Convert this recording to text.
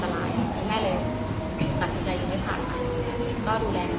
ถ้าให้โดยาอาจจะมีโขลดภ่วง